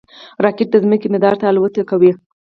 راکټ د ځمکې مدار ته الوت کوي